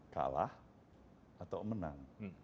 kalah atau menang